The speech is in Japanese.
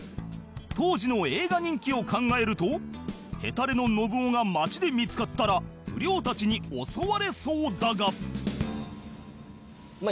当時の映画人気を考えるとヘタレのノブオが町で見つかったら不良たちに襲われそうだが